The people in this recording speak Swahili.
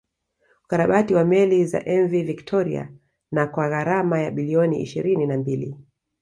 Ukarabati wa meli za Mv Victoria na kwa gharama ya bilioni ishirini na mbili